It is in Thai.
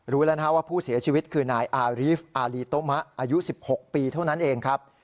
รู้แล้วนะครับว่าผู้เสียชีวิตคือนายอารีฟอารีโตะมะอายุ๑๖ปีเท่านั้นเองครับ